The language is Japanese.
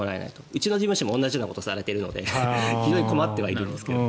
うちの事務所も同じような対応をされているので非常に困ってはいるんですが。